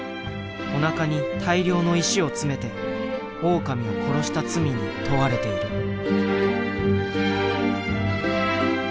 おなかに大量の石を詰めてオオカミを殺した罪に問われている。